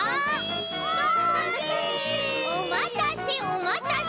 おまたせおまたせ。